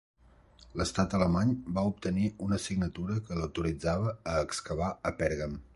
L'Estat alemany va obtenir una signatura que l'autoritzava a excavar a Pèrgam.